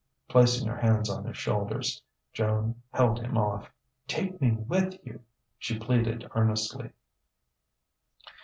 Placing her hands on his shoulders, Joan held him off. "Take me with you," she pleaded earnestly.